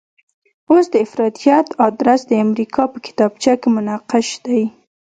اوس د افراطیت ادرس د امریکا په کتابچه کې منقش دی.